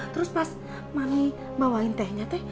terus pas mami bawain tehnya teh